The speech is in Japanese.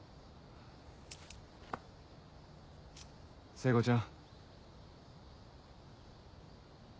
聖子ちゃん。